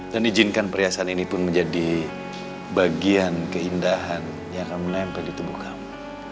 dan izinkan perhiasan ini pun menjadi bagian keindahan yang akan menempel di tubuh kamu